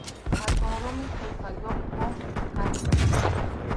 Hatun rumi qullqayuqku karqan.